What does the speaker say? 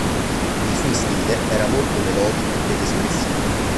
Il suo stile era molto melodico ed espressivo.